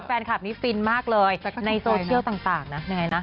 แฟนคลับนี้ฟินมากเลยในโซเชียลต่างนะ